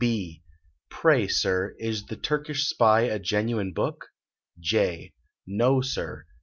"B. Pray, Sir, is the 'Turkish Spy' a genuine book? J. No, Sir.